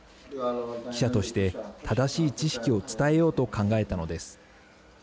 記者として正しい知識を伝えようと考えたのです。